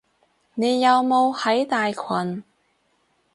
你有冇喺大群？